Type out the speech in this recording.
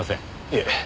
いえ。